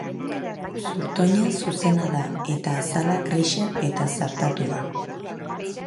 Zurtoina zuzena da, eta azala grisa eta zartatua.